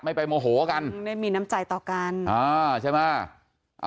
ไม่ไปโมโหกันได้มีน้ำใจต่อกันอ่าใช่ไหม